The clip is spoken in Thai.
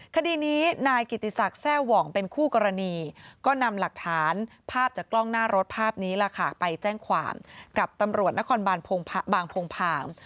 คดีนี้นายกิติศักดิ์แทร่หว่องเป็นคู่กรณีก็นำหลักฐานภาพจากกล้องหน้ารถภาพนี้ล่ะค่ะไปแจ้งความกับตำรวจนครบานบางพงพาง